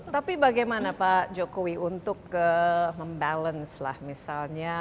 tapi bagaimana pak jokowi untuk membalance lah misalnya